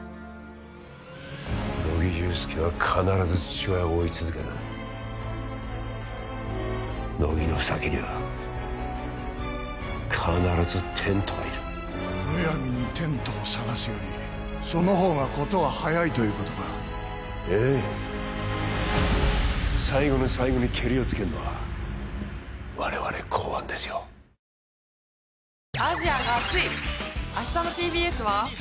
乃木憂助は必ず父親を追い続ける乃木の先には必ずテントがいるむやみにテントを捜すよりそのほうが事は早いということか最後の最後にケリをつけんのは我々公安ですよ問題です！